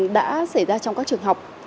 đã xảy ra trong các trường học